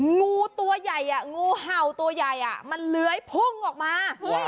งูตัวใหญ่งูเห่าตัวใหญ่มันเลื้อยพุ่งออกมา